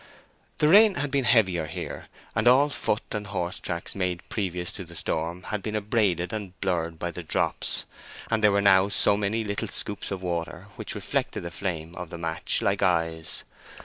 The rain had been heavier here, and all foot and horse tracks made previous to the storm had been abraded and blurred by the drops, and they were now so many little scoops of water, which reflected the flame of the match like eyes.